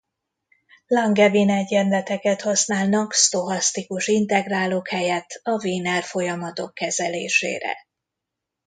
Langevin-egyenleteket használnak sztochasztikus integrálok helyett a Wiener-folyamatok kezelésére.